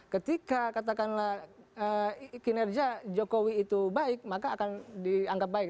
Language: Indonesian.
ketika katakanlah kinerja jokowi itu baik maka akan dianggap baik